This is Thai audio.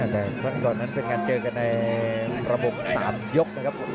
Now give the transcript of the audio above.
แต่ครั้งก่อนนั้นเป็นการเจอกันในระบบ๓ยกนะครับ